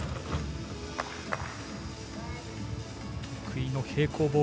得意の平行棒